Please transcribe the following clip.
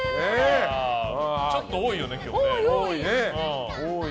ちょっと多いよね、今日。